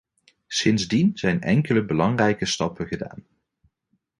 Sindsdien zijn enkele belangrijke stappen gedaan.